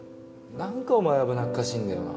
なんかお前危なっかしいんだよな。